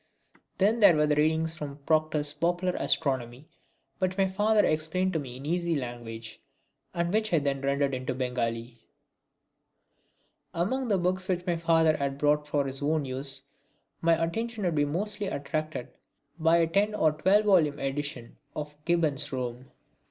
Then there were the readings from Proctor's Popular Astronomy which my father explained to me in easy language and which I then rendered into Bengali. Among the books which my father had brought for his own use, my attention would be mostly attracted by a ten or twelve volume edition of Gibbon's Rome.